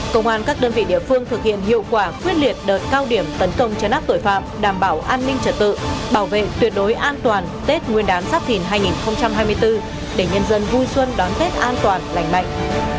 công an các đơn vị địa phương thực hiện hiệu quả quyết liệt đợt cao điểm tấn công chấn áp tội phạm đảm bảo an ninh trật tự bảo vệ tuyệt đối an toàn tết nguyên đán giáp thìn hai nghìn hai mươi bốn để nhân dân vui xuân đón tết an toàn lành mạnh